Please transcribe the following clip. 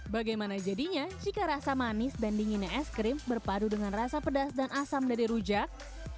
bagaimana jadinya jika rasa manis dan dinginnya es krim berpadu dengan rasa pedas dan asam dari rujak